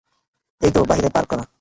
এইতো বাহিরে পার্ক করা।